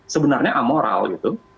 sebenarnya amoral gitu